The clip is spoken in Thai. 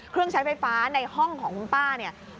เครื่องใช้ไฟฟ้าในห้องของคุณป้าเนี่ย